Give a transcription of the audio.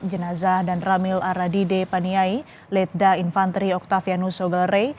jenazah dan ramil aradide paniai letda infanteri octavianus sogelere